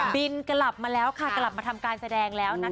บินกลับมาทำการแสดงแล้ว